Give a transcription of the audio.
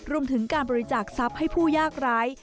รวมถึงการบริจาคทรัพย์ให้ผู้ยากร้าย